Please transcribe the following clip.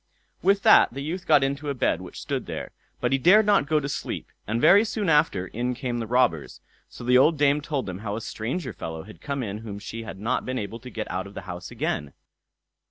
With that the youth got into a bed which stood there, but he dared not go to sleep, and very soon after in came the robbers; so the old dame told them how a stranger fellow had come in whom she had not been able to get out of the house again.